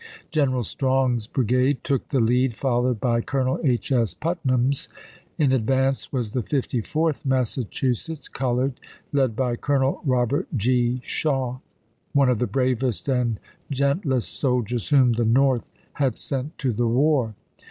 General Strong's brigade took the lead, followed by Colonel H. S. Putnam's ; in advance was the Fifty fourth Massa „.,, 7 J Gillmore, chusetts, colored, led by Colonel Robert G. Shaw, „^gg*^. one of the bravest and gentlest soldiers whom the At8ueiy North had sent to the war.